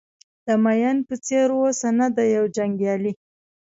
د مین په څېر اوسه نه د یو جنګیالي.